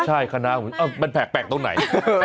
ใช่คณะเปรียบแปลกตรงไหน